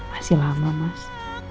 masih lama mas